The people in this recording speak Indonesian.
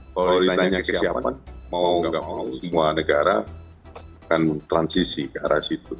kalau ditanya kesiapan mau nggak mau semua negara akan transisi ke arah situ